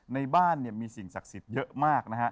ในบ้านมีสิ่งศักดิ์สิทธิ์เยอะมาก